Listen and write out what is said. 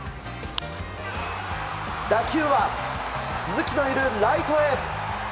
打球は鈴木のいるライトへ。